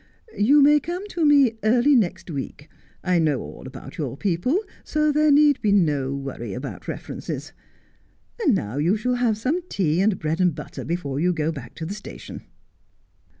You may come to me early next week. I know all about your people, so there need be no worry about references. And now you shall have some tea and bread and butter before you go back to the station.'